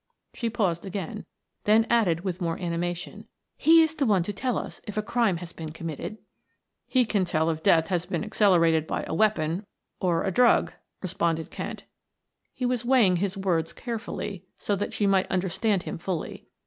She paused again, then added with more animation, "He is the one to tell us if a crime has been committed." "He can tell if death has been accelerated by a weapon, or a drug," responded Kent; he was weighing his words carefully so that she might understand him fully.